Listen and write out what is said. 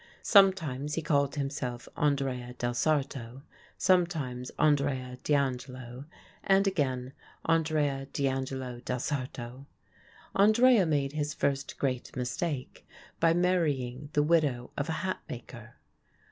Sometimes he called himself Andrea del Sarto, sometimes Andrea d'Angelo, and again Andrea d'Angelo del Sarto. Andrea made his first great mistake by marrying the widow of a hatmaker.